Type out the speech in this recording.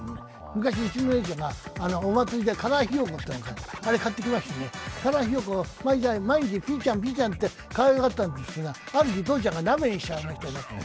昔、うちの姉ちゃんがお祭りでカラーひよこを買ってきましてカラーひよこ、毎日ピーちゃん、ピーちゃんってかわいがってたんですけれどもある日、父ちゃんが鍋にしちゃいましてね。